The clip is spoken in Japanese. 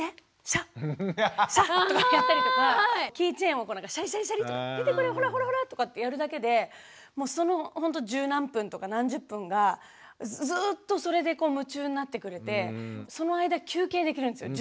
シャッシャッとかやったりとかキーチェーンをシャリシャリシャリッて「見てこれほらほらほら」とかってやるだけでもうそのほんと十何分とか何十分がずっとそれで夢中になってくれてその間休憩できるんですよ。